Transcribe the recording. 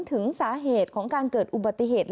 ถึงสาเหตุของการเกิดอุบัติเหตุ